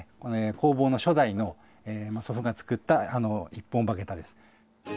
工房の初代の祖父が作った一本歯下駄です。